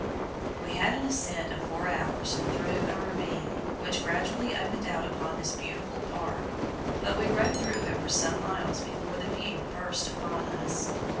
We had an ascent of four hours through a ravine which gradually opened out upon this beautiful "park," but we rode through it for some miles before the view burst upon us.